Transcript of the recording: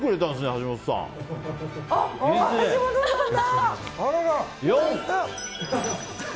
橋本さんだ！